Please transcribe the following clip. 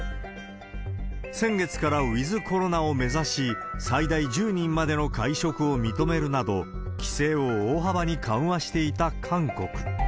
先月からウィズコロナを目指し、最大１０人までの会食を認めるなど、規制を大幅に緩和していた韓国。